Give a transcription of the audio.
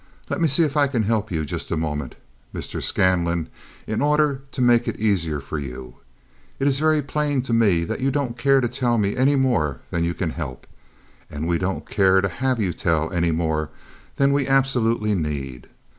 Let me see if I can help you just a moment, Mr. Scanlon, in order to make it easier for you. It is very plain to me that you don't care to tell any more than you can help, and we don't care to have you tell any more than we absolutely need.